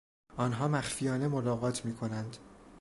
آنها مخفیانه ملاقات میکنند.